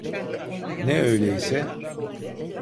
Ne öyleyse?